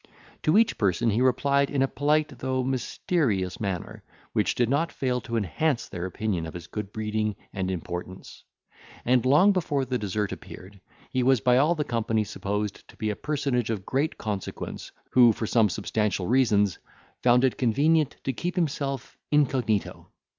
To each person he replied in a polite, though mysterious manner, which did not fail to enhance their opinion of his good breeding and importance; and, long before the dessert appeared, he was by all the company supposed to be a personage of great consequence, who for some substantial reasons, found it convenient to keep himself incognito.